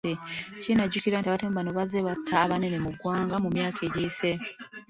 Kinajjukirwa nti abatemu bano bazze batta abanene mu ggwanga mu myaka egiyise .